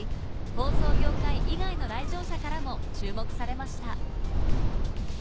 放送業界以外の来場者からも注目されました